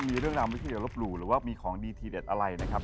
มีเรื่องราววิทยาลบรูหรือว่ามีของดีทีเด็ดอะไรนะครับ